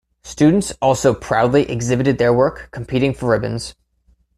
Students also proudly exhibited their work competing for ribbons.